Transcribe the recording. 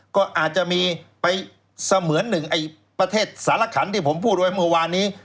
ก็อาจจะมีไปเสมือนหนึ่งไอ้ประเทศสารขันที่ผมพูดไว้เมื่อวานนี้